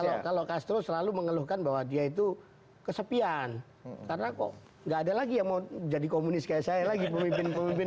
kalau castro selalu mengeluhkan bahwa dia itu kesepian karena kok nggak ada lagi yang mau jadi komunis kayak saya lagi pemimpin pemimpin